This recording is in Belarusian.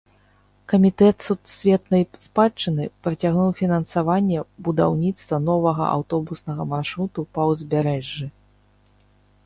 Камітэт сусветнай спадчыны прыцягнуў фінансаванне будаўніцтва новага аўтобуснага маршруту па ўзбярэжжы.